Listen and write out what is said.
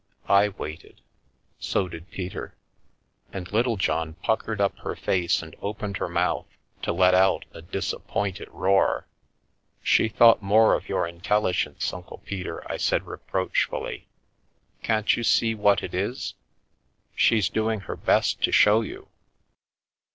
I waited. So did Peter. And Littlejohn puckered up her face and opened her mouth to let out a disappointed roar. She thought more of your intelligence, Uncle " one Some Talk and a New Toy Peter," I said reproachfully. " Can't you see what i is? She's doing her best to show you."